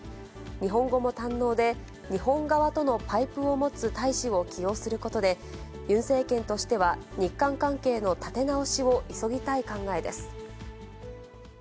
日本語も堪能で、日本側とのパイプを持つ大使を起用することで、ユン政権としては、日韓関係の立て直しを急ぎたい考えです。